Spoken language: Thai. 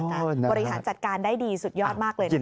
บริหารจัดการได้ดีสุดยอดมากเลยนะคะ